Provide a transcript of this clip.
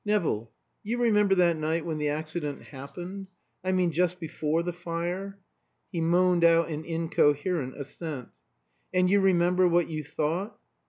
"Nevill you remember that night when the accident happened? I mean just before the fire?" He moaned out an incoherent assent. "And you remember what you thought?"